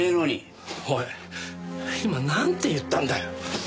おい今なんて言ったんだよ。